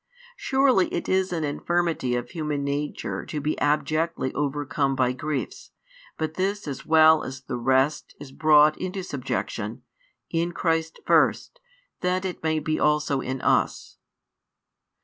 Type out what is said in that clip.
Surely it is an infirmity of human nature to be abjectly overcome by griefs, but this as well as the rest is brought into subjection, in Christ first, that it may be also in us.